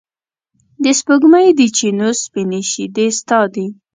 د سپوږمۍ د چېنو سپینې شیدې ستا دي